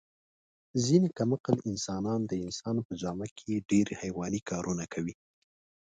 ځنې کم عقل انسانان د انسان په جامه کې ډېر حیواني کارونه کوي.